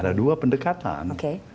ada dua pendekatan